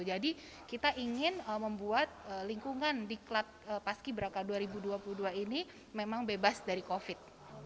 jadi kita ingin membuat lingkungan di klat paskiberaka dua ribu dua puluh dua ini memang bebas dari covid